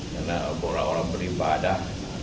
karena orang orang beribadah